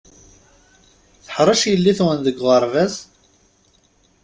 Teḥṛec yelli-twen deg uɣerbaz?